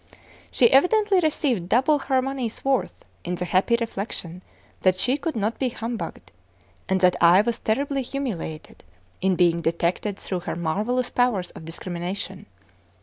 She evidently received double her money's worth in the happy reflection that she could not be humbugged, and that I was terribly humiliated in being detected through her marvelous powers of discrimination!